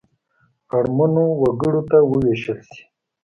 اړمنو وګړو ته ووېشل شي.